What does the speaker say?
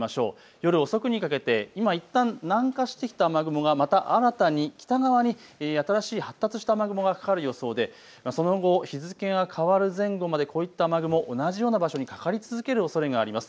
夜遅くにかけて今、いったん南下してきた雨雲がまた新たに北側に新しい発達した雨雲がかかる予想でその後、日付が変わる前後までこういった雨雲、同じような場所にかかり続けるおそれがあります。